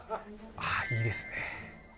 あいいですね